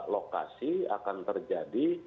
lokasi akan terjadi